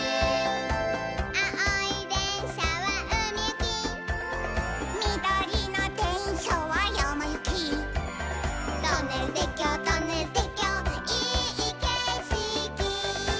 「あおいでんしゃはうみゆき」「みどりのでんしゃはやまゆき」「トンネルてっきょうトンネルてっきょういいけしき」